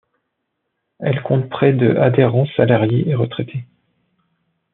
Elle compte près de adhérents salariés et retraités.